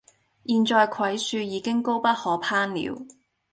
現在槐樹已經高不可攀了，